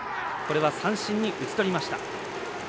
三振に打ち取りました。